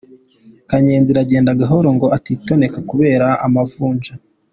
Kanyenzira agenda gahoro ngo atitoneka kubera amavunja.